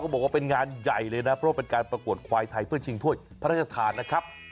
บอกว่าเป็นงานใหญ่เลยนะเพราะว่าเป็นการประกวดควายไทยเพื่อชิงถ้วยพระราชทานนะครับ